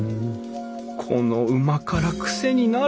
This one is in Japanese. このうま辛クセになる！